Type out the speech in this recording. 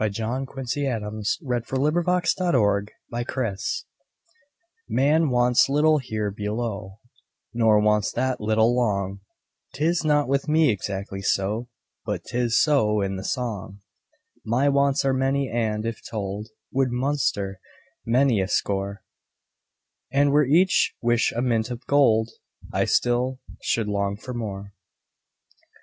John Quincy Adams The Wants of Man "MAN wants but little here below, Nor wants that little long." 'Tis not with me exactly so; But 'tis so in the song. My wants are many and, if told, Would muster many a score; And were each wish a mint of gold, I still should long for more.